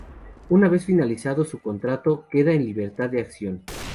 Una vez finalizado su contrato queda en libertad de acción.